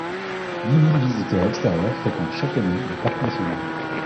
Huit mille visiteurs extérieurs fréquentent chaque année le parc national.